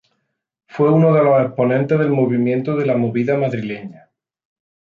Fue uno de los exponentes del movimiento de la movida madrileña.